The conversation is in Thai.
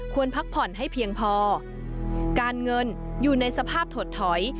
พักผ่อนให้เพียงพอการเงินอยู่ในสภาพถดถอย